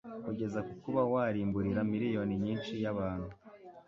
kugeza kukuba warimburira miriyoni nyinshi y'abantu